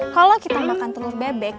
kalo kita ambilkan telur bebek